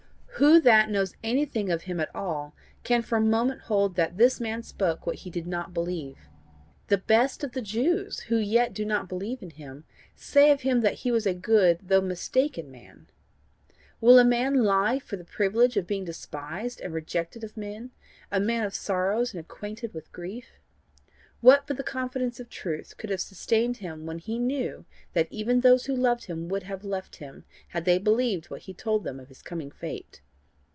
Who that knows anything of him at all can for a moment hold that this man spoke what he did not believe? The best of the Jews who yet do not believe in him, say of him that he was a good though mistaken man. Will a man lie for the privilege of being despised and rejected of men, a man of sorrows and acquainted with grief? What but the confidence of truth could have sustained him when he knew that even those who loved him would have left him had they believed what he told them of his coming fate?